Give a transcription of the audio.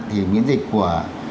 thì miễn dịch của